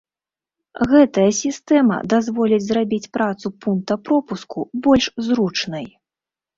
Гэтая сістэма дазволіць зрабіць працу пункта пропуску больш зручнай.